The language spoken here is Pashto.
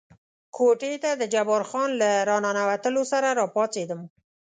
کوټې ته د جبار خان له را ننوتلو سره را پاڅېدم.